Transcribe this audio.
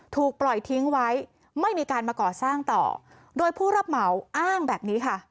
ถูกปล่อยทิ้งไว้ไม่มีการมาก่อสร้างต่อโดยผู้รับเหมาอ้างแบบนี้ค่ะ